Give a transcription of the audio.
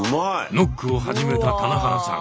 ノックを始めた棚原さん。